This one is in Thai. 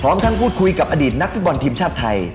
ทั้งพูดคุยกับอดีตนักฟุตบอลทีมชาติไทย